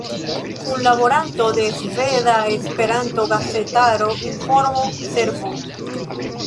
Kunlaboranto de Sveda-Esperanto Gazetara Informo-Servo.